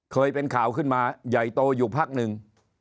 เคยเป็นข่าวขึ้นมาใหญ่โตอยู่พักหนึ่ง